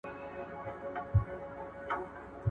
ایا د مخامخ ټولګیو چاپیریال د آنلاین زده کړو څخه ښه دی؟